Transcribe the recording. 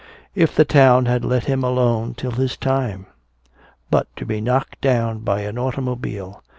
If the town had let him alone till his time! But to be knocked down by an automobile!